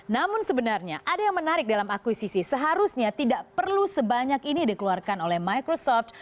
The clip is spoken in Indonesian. namun sebenarnya ada yang menarik dalam akuisisi seharusnya tidak perlu sebanyak ini dikeluarkan oleh microsoft